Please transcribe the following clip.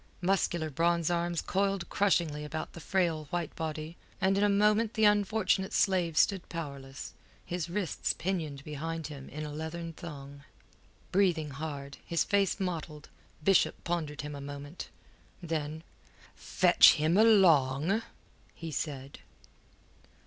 Muscular bronze arms coiled crushingly about the frail white body, and in a moment the unfortunate slave stood powerless, his wrists pinioned behind him in a leathern thong. Breathing hard, his face mottled, Bishop pondered him a moment. Then: "Fetch him along," he said.